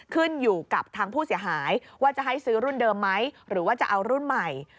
ขึ้นอยู่กับทางผู้เสียหายว่าจะให้ซื้อรุ่นเดิมไหมหรือว่าจะเอารุ่นใหม่